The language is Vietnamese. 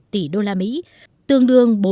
một tỷ usd tương đương